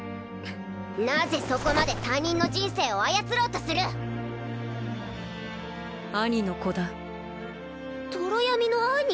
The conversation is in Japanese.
なぜそこまで他人の人生を操ろうとする兄の子だ泥闇の兄！？